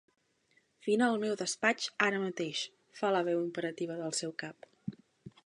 Vine al meu despatx ara mateix —fa la veu imperativa del seu cap.